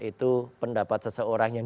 itu pendapat seseorang yang